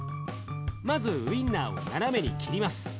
まずウインナーを斜めに切ります。